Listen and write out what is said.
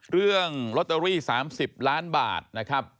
เรื่องลอตเตอรี่๓๐ล้านบาทนะครับ